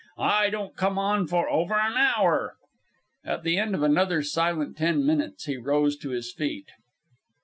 I don't come on for over an hour." At the end of another silent ten minutes, he rose to his feet.